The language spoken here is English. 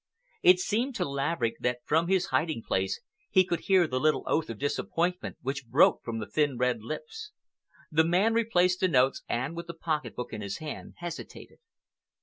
It seemed to Laverick that from his hiding place he could hear the little oath of disappointment which broke from the thin red lips. The man replaced the notes and, with the pocket book in his hand, hesitated.